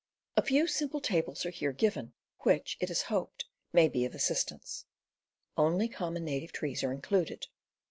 A few simple tables are here given, which, it is hoped, may be of assistance. Only common native trees are included.